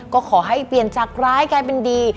ก็ขอให้เปลี่ยนจากร้ายกลายเป็นดี